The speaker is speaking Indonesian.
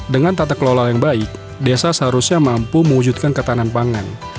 dengan tata kelola yang baik desa seharusnya mampu mewujudkan ketahanan pangan